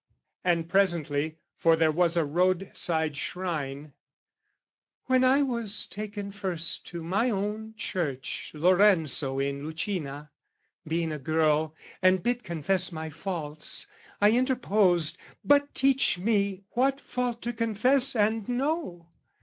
And presently for there was a roadside shrine "When I was taken first to my own church "Lorenzo in Lucina, being a girl, "And bid confess my faults, I interposed, "'But teach me what fault to confess and know!'